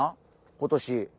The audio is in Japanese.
今年。